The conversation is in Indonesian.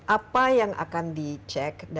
apa yang akan dicek